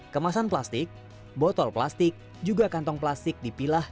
kemasan plastik botol plastik juga kantong plastik dipilah